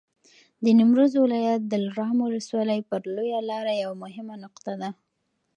د نیمروز ولایت دلارام ولسوالي پر لویه لاره یوه مهمه نقطه ده.